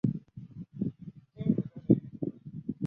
赶快来吃钩